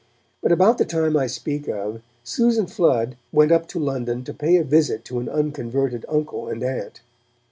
But about the time I speak of, Susan Flood went up to London to pay a visit to an unconverted uncle and aunt.